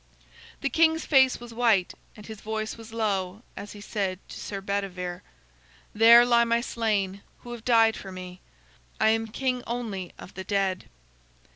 The king's face was white, and his voice was low as he said to Sir Bedivere: "There lie my slain, who have died for me. I am king only of the dead."